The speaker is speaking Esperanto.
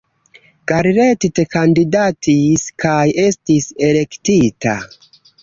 Garrett kandidatis kaj estis elektita.